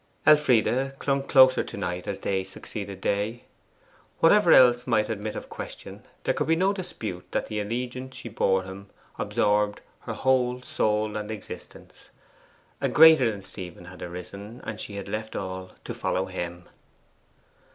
Elfride clung closer to Knight as day succeeded day. Whatever else might admit of question, there could be no dispute that the allegiance she bore him absorbed her whole soul and existence. A greater than Stephen had arisen, and she had left all to follow him.